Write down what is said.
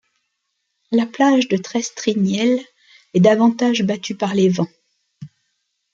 La plage de Trestrignel est davantage battue par les vents.